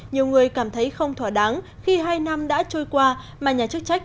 nhiều người cảm thấy không thỏa đáng khi hai năm đã trôi qua mà nhà chức trách